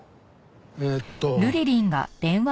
えーっと。